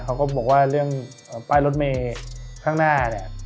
เขาก็บอกว่าเรื่องป้ายรถเมย์ข้างหน้าเนี่ย